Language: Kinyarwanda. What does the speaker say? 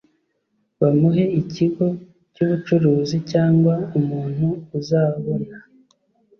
bamuhe ikigo cy ubucuruzi cyangwa umuntu uzabona